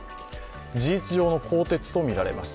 事実上の更迭とみられます。